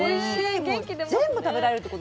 もう全部食べられるってことですね？